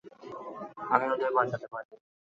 আমি ওদের বাঁচাতে পারিনি।